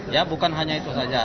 ya bukan hanya itu saja